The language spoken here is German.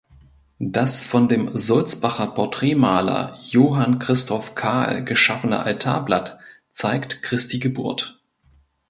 Das von dem Sulzbacher Porträtmaler Johann Christoph Karl geschaffene Altarblatt zeigt Christi Geburt.